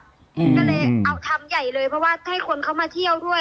ก็เลยเอาทำใหญ่เลยเพราะว่าให้คนเขามาเที่ยวด้วย